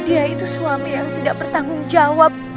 dia itu suami yang tidak bertanggung jawab